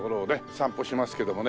散歩しますけどもね。